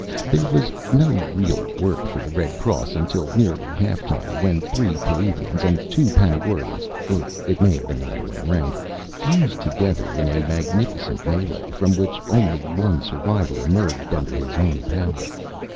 HP HERE was no real work for ■*• the Red Cross until nearly half time, when three Perivians and two Panagurans (or it may have been the other way round) fused together in a magnificent melee from which only one sur vivor emerged under his own power.